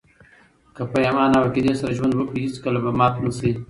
که په ایمان او عقیدې سره ژوند وکړئ، هېڅکله به مات نه سئ!